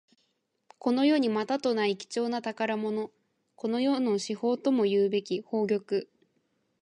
この世にまたとない貴重な宝物。この世の至宝ともいうべき宝玉。